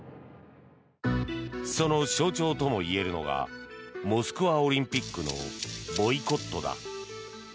その象徴ともいえるのがモスクワオリンピックのボイコットだ。